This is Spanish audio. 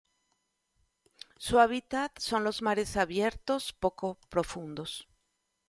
Su hábitat son los mares abiertos poco profundos.